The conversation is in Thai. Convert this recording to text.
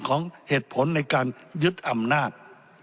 ของเหตุผลในการยึดอำนาจ